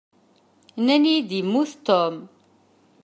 Nnan-iyi-d yemmut Tom.